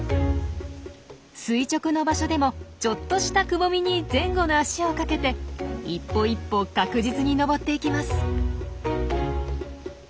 垂直の場所でもちょっとしたくぼみに前後の脚を掛けて一歩一歩確実に登っていきます。